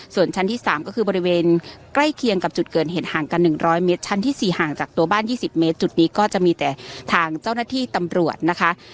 ส่วนชั้นที่๓ก็คือบริเวณใกล้เคียงกับจุดเกิดเหตุห่างกัน๑๐๐เมตรชั้นที่๔ห่างจากตัวบ้าน๒๐เมตรจุดนี้ก็จะมีแต่ทางเจ้าหน้าที่ตำรวจนะคะ